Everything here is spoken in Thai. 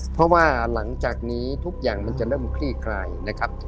เพราะว่าหลังจากนี้ทุกอย่างมันจะเริ่มคลี่คลายนะครับ